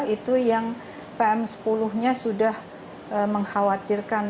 itu yang pm sepuluh nya sudah mengkhawatirkan